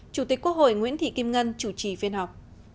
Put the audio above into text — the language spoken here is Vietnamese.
chủ tịch quốc hội nguyễn thị kim ngân chủ trì phiên họp